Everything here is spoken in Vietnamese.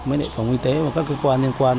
mấy nệm phòng y tế và các cơ quan liên quan